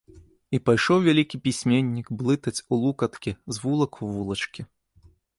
І пайшоў вялікі пісьменнік блытаць улукаткі з вулак у вулачкі.